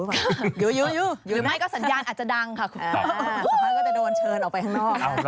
หรือไม่ก็สัญญาณอาจจะดังอะครับ